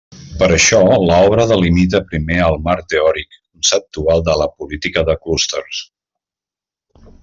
Per això, l'obra delimita primer el marc teòric i conceptual de la política de clústers.